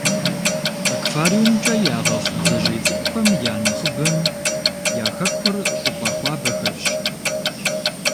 Аквариумкӏэ ягъэхъу бдзэжьей цӏыкӏухэм я нэхъыбэм я хэкур щӏыпӏэ хуабэхэрщ.